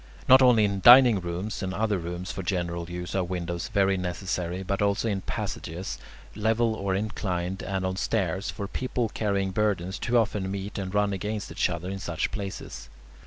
Not only in dining rooms and other rooms for general use are windows very necessary, but also in passages, level or inclined, and on stairs; for people carrying burdens too often meet and run against each other in such places.